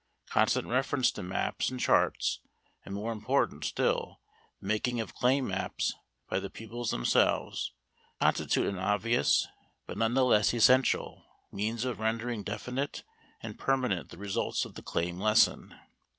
Constant reference to maps and charts, and, more important still, the making of claim maps by the pupils themselves, constitute an obvious, but none the less essential, means of rendering definite and permanent the results of the "claim" lesson.